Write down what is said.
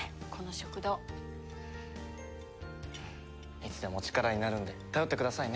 いつでも力になるんで頼ってくださいね。